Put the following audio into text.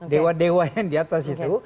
dewa dewa yang diatas itu